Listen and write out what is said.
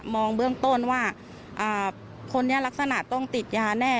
เบื้องต้นว่าคนนี้ลักษณะต้องติดยาแน่